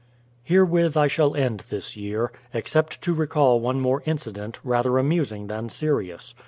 Herewith I shall end this year — except to recall one more incident, rather amusing than serious.